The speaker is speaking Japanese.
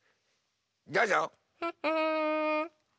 どうぞ。